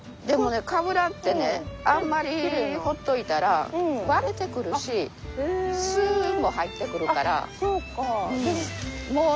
でもねかぶらってねあんまりほっといたら割れてくるしスも入ってくるから。